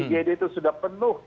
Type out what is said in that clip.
igd itu sudah penuh